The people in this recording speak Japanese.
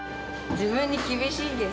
自分に厳しいんです。